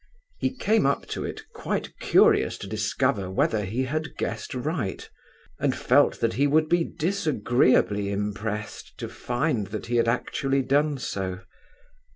He came up to it quite curious to discover whether he had guessed right, and felt that he would be disagreeably impressed to find that he had actually done so.